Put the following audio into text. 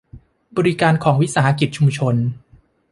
บริการของวิสาหกิจชุมชน